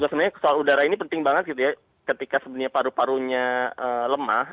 sebenarnya soal udara ini penting banget gitu ya ketika sebenarnya paru parunya lemah